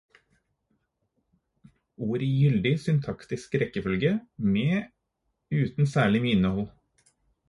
Ord i gyldig syntaktisk rekkefølge, men uten særlig mye innhold